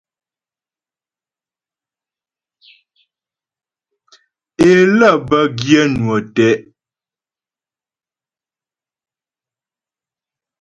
É lə́ bə́ gyə̂ mnwə tɛ́'.